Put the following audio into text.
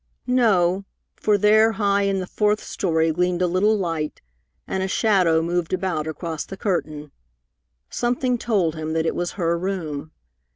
No, for there high in the fourth story gleamed a little light, and a shadow moved about across the curtain. Something told him that it was her room.